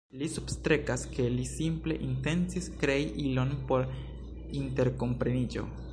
Li substrekas, ke li simple intencis krei ilon por interkompreniĝo.